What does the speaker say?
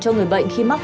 cho người bệnh khi mắc